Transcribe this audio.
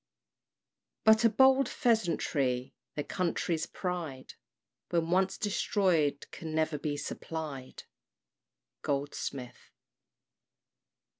But a bold pheasantry, their country's pride When once destroyed can never be supplied. GOLDSMITH.